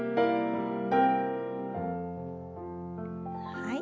はい。